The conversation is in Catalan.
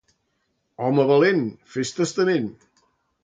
Home valent, fes testament.